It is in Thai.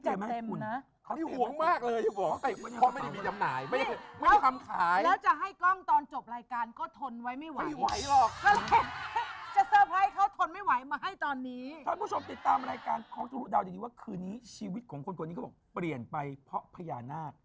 ถ้าผู้ชมติดตามรายการเขาดูว่าคืนนี้ชีวิตของคนนี้เขาบอกเปลี่ยนไปเพราะพญานาค